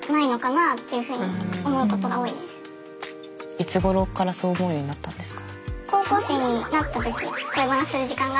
いつごろからそう思うようになったんですか？